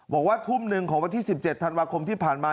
บอกว่าทุ่มหนึ่งของวันที่๑๗ธันวาคมที่ผ่านมา